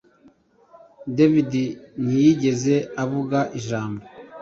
David ntiyigeze avuga ijambo